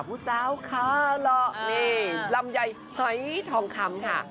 ผู้สาวคาหล่อนี่ลำไยหอยทองคำค่ะ